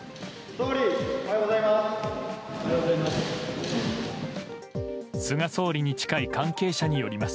総理、おはようございます。